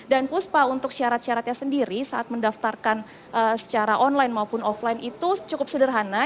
dan puspa untuk syarat syaratnya sendiri saat mendaftarkan secara online maupun offline itu cukup sederhana